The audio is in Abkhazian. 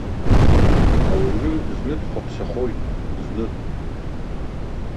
Ауаҩы зны дҳәаԥсахоит, зны.